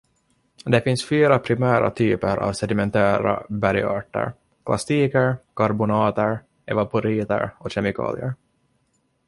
Det finns fyra primära typer av sedimentära bergarter: klastiker, karbonater, evaporiter och kemikalier.